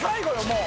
もう。